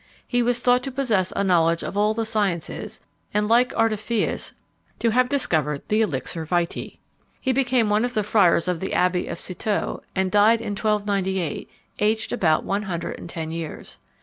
He was thought to possess a knowledge of all the sciences, and, like Artephius, to have discovered the elixir vitæ. He became one of the friars of the abbey of Citeaux, and died in 1298, aged about one hundred and ten years.